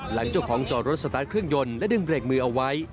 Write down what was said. หลังเจ้าของจอดรถสตาร์ทเครื่องยนต์และดึงเบรกมือเอาไว้